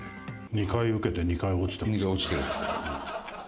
２回受けて２回落ちた。